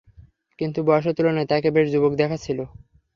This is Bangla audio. কিন্তু বয়সের তুলনায় তাকে বেশ যুবক দেখাচ্ছিল।